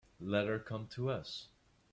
Let her come to us.